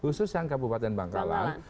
khusus yang kabupaten bangkalan